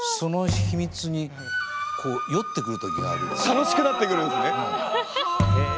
楽しくなってくるんですねはあ！